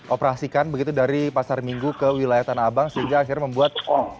operasikan begitu dari pasar minggu ke wilayah tanah abang sehingga akhirnya membuat